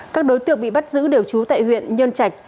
các đối tượng bị bắt giữ điều trú tại huyện nhân trạch